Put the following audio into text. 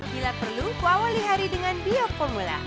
jika perlu kuawalih hari dengan bioformula